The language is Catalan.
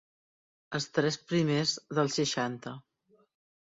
Els tres primers dels seixanta.